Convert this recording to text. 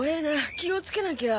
気をつけなきゃ。